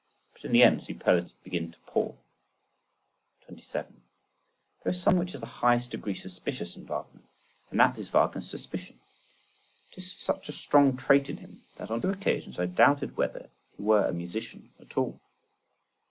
But in the end superlatives begin to pall. 27. There is something which is in the highest degree suspicious in Wagner, and that is Wagner's suspicion. It is such a strong trait in him, that on two occasions I doubted whether he were a musician at all.